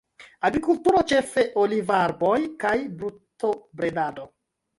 Agrikulturo, ĉefe olivarboj, kaj brutobredado.